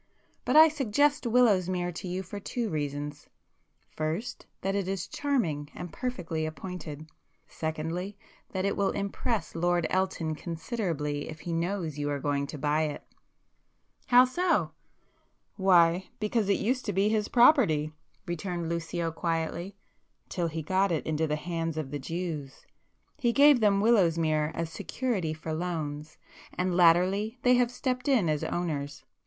But I suggest Willowsmere to you for two reasons,—first that it is charming and perfectly appointed; secondly, that it will impress Lord Elton considerably if he knows you are going to buy it." "How so?" "Why, because it used to be his property"—returned Lucio quietly—"till he got into the hands of the Jews. He gave them Willowsmere as security for loans, and latterly they have stepped in as owners.